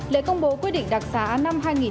lễ công bố quyết định đặc sản của bản tin